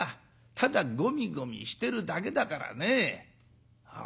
ただごみごみしてるだけだからね。